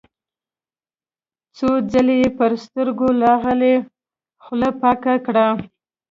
څو ځله يې پر سترګو لاغلې خوله پاکه کړه.